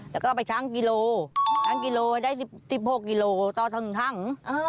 แล้วก็ไปช้างกิโลช้างกิโลได้๑๖กิโลต่อทั้ง